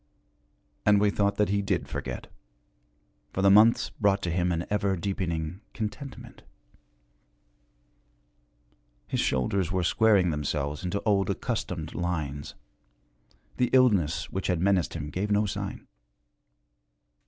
And we thought that he did forget, for the months brought to him an ever deepening contentment. His shoulders were squaring themselves into old accustomed lines, the illness which had menaced gave no sign.